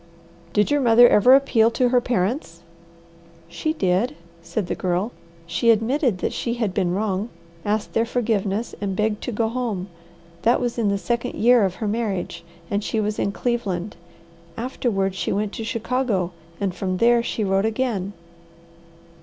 "Did your mother ever appeal to her parents?" "She did," said the Girl. "She admitted that she had been wrong, asked their forgiveness, and begged to go home. That was in the second year of her marriage, and she was in Cleveland. Afterward she went to Chicago, from there she wrote again."